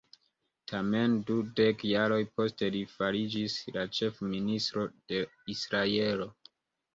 Tamen, dudek jaroj poste li fariĝis la ĉef-ministro de Israelo.